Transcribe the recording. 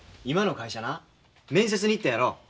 今の会社な面接に行ったやろ。